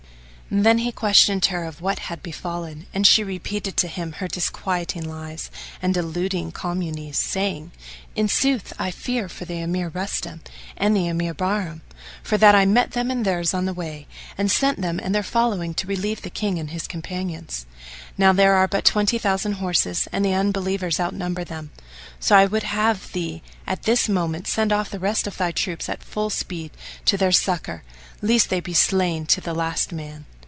Then he questioned her of what had befallen, and she repeated to him her disquieting lies and deluding calumnies, saying, "In sooth I fear for the Emir Rustam, and the Emir Bahram, for that I met them and theirs on the way and sent them; and their following to relieve the King and his companions. Now there are but twenty thousand horse and the Unbelievers outnumber them; so I would have thee at this moment send off the rest of thy troops at full speed to their suc cour, lest they be slain to the last man."